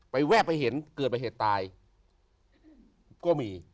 แวบไปเห็นเกิดไปเหตุตายก็มี